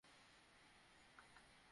অনেক হয়েছে, মেয়ে!